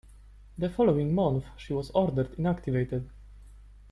The following month, she was ordered inactivated.